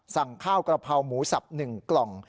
สั่งข้าวกระเพราหมูสับ๑กล่อง